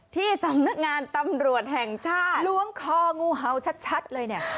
ที่สำนักงานตำรวจแห่งชาติล้วงคองูเห่าชัดเลยเนี่ย